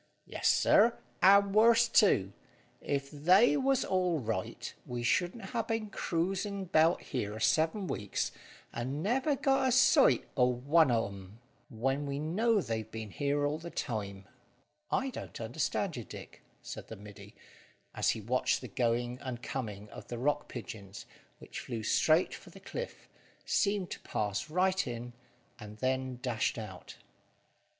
"Yes, sir, and worse too. If they was all right, we shouldn't ha' been cruising 'bout here seven weeks, and never got a sight o' one of 'em, when we know they've been here all the time." "I don't understand you, Dick," said the middy, as he watched the going and coming of the rock pigeons which flew straight for the cliff, seemed to pass right in, and then dashed out.